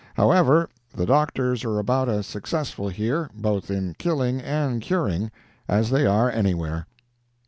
However, the doctors are about as successful here, both in killing and curing, as they are anywhere.